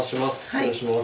お願いします。